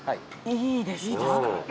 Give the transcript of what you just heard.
いいですか？